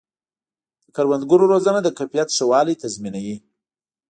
د کروندګرو روزنه د کیفیت ښه والی تضمینوي.